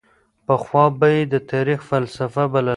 پخوا به یې د تاریخ فلسفه بلله.